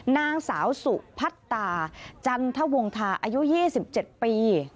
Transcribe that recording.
นางสาวสุพัตตาจันทวงทาอายุ๒๗ปี